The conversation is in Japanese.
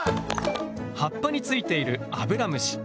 葉っぱについているアブラムシ。